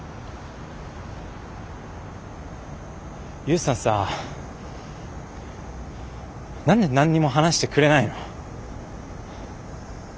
悠さんさ何で何にも話してくれないの。